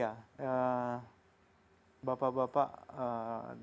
bapak bapak di kementerian perdagangan perusahaan dan pemerintahan